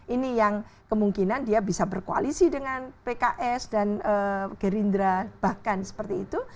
ini yang kemungkinan dia bisa berkoalisi dengan pks dan gerindra bahkan seperti itu